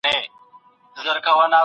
تاریخي شعور د پوهي نښه ده.